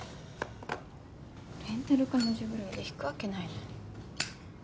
レンタル彼女ぐらいで引くわけないのに。